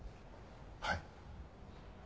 はい。